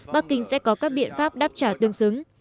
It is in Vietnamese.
bắc kinh sẽ có các biện pháp đáp trả tương xứng